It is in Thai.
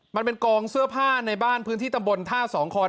มันเป็นกองเสื้อผ้าในบ้านพื้นที่ตำบลท่าสองคอน